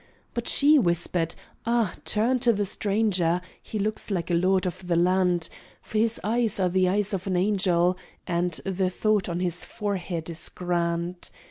But she whispered, "Ah, turn to the stranger! He looks like a lord of the land; For his eyes are the eyes of an angel, And the thought on his forehead is grand!